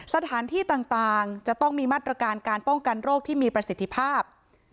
สถานที่ต่างจะต้องมีมาตรการการป้องกันโรคที่มีประสิทธิภาพ